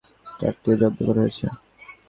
ট্রাকটিও জব্দ করা হয়েছে।